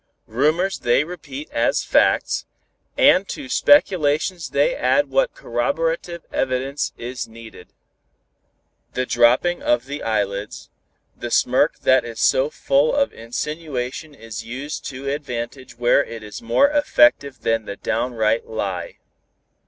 Rumors they repeat as facts, and to speculations they add what corroborative evidence is needed. The dropping of the eyelids, the smirk that is so full of insinuation is used to advantage where it is more effective than the downright lie.